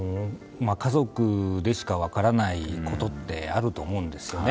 家族でしか分からないことってあると思うんですね。